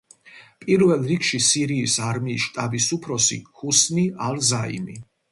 პირველ რიგში სირიის არმიის შტაბის უფროსი ჰუსნი ალ-ზაიმი.